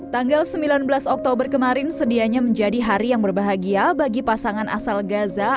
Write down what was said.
tanggal sembilan belas oktober kemarin sedianya menjadi hari yang berbahagia bagi pasangan asal gaza